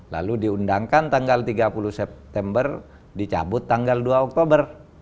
lalu diundangkan tanggal tiga puluh september dicabut tanggal dua oktober